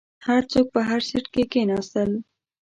هر څوک په هر سیټ کې کیناستل.